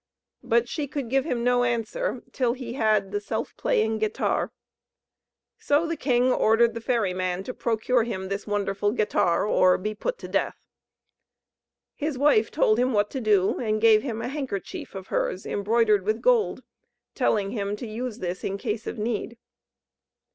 But she could give him no answer until he had the Self playing Guitar. So the king ordered the ferry man to procure him this wonderful guitar, or be put to death. His wife told him what to do, and gave him a handkerchief of hers, embroidered with gold, telling him to use this in case of need.